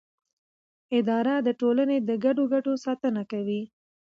اداره د ټولنې د ګډو ګټو ساتنه کوي.